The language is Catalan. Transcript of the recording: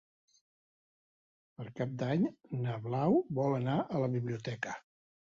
Per Cap d'Any na Blau vol anar a la biblioteca.